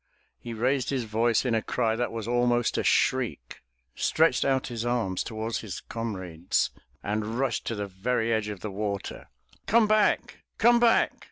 He raised his voice in a cry that was almost a shriek, stretched out his arms toward his comrades and rushed to the very edge of the water. Come back! Comeback!